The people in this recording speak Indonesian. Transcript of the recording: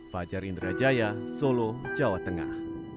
fajar indrajaya solo jawa tengah